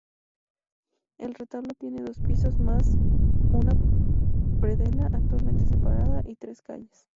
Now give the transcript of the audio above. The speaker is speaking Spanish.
El retablo tiene dos pisos más una predela, actualmente separada, y tres calles.